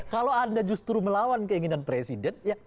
kalau anda justru melawan keinginan presiden